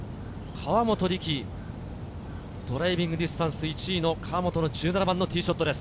河本力、ドライビングディスタンス１位の河本の１７番ティーショットです。